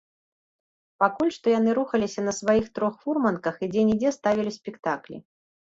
Пакуль што яны рухаліся на сваіх трох фурманках і дзе-нідзе ставілі спектаклі.